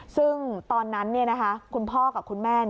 ซึ่งตอนนั้นคุณพ่อกับคุณแม่